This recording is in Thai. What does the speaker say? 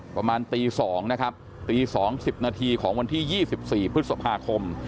ประมาณตีสองนะครับตีสองสิบนาทีของวันที่ยี่สิบสี่พฤษภาคม